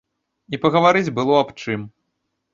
І пагаварыць было аб чым.